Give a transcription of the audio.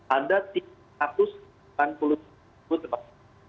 ada tiga ratus delapan puluh ribu tempat